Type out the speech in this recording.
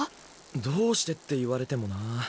どうしてって言われてもなぁ。